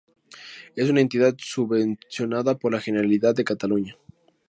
Es una entidad subvencionada por la Generalidad de Cataluña.